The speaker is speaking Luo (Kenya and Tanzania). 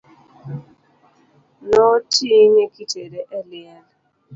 No ting'e kitere e liel.